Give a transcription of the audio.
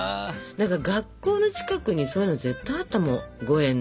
何か学校の近くにそういうの絶対あったもん。